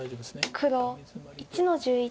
黒１の十一。